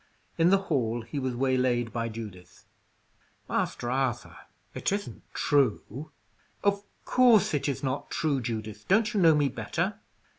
In the hall he was waylaid by Judith. "Master Arthur, it isn't true?" "Of course it is not true, Judith. Don't you know me better?"